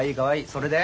それで？